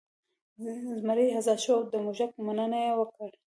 زمری ازاد شو او د موږک مننه یې وکړه.